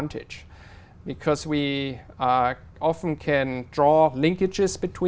được giải quyết